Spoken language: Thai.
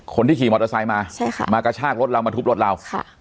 คนที่ขี่มอเตอร์ไซด์มามากระชากรถเรามาทุบรถเรา